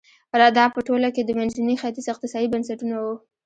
دا په ټوله کې د منځني ختیځ اقتصادي بنسټونه وو.